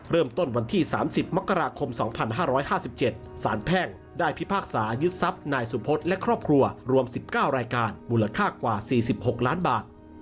วันที่๓๐มกราคม๒๕๕๗สารแพ่งได้พิพากษายึดทรัพย์นายสุพธและครอบครัวรวม๑๙รายการมูลค่ากว่า๔๖ล้านบาท